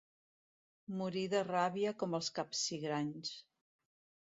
Morir de ràbia com els capsigranys.